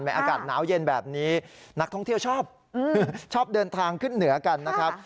อากาศหนาวเย็นแบบนี้นักท่องเที่ยวชอบชอบเดินทางขึ้นเหนือกันนะครับ